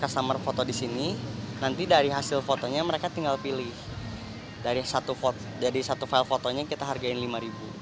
seharusnya mereka tinggal pilih dari satu file fotonya kita hargain rp lima